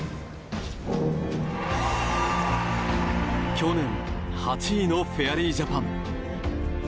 去年８位のフェアリージャパン。